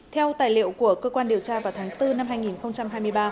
theo tài liệu của cơ quan điều tra vào tháng bốn năm hai nghìn hai mươi ba